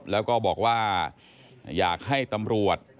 แล้วก็บอกว่าอยากให้ตำรวจ